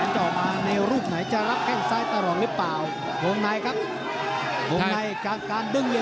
โต้คืนซ้ายเตะติดภัง